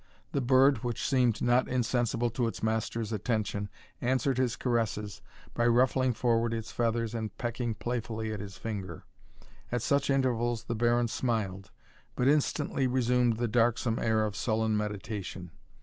The bird, which seemed not insensible to its master's attention, answered his caresses by ruffling forward its feathers, and pecking playfully at his finger. At such intervals the Baron smiled, but instantly resumed the darksome air of sullen meditation.